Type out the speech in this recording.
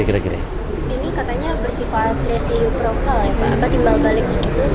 ini katanya bersifat resiprokal ya pak apa timbal balik itu seperti apa pak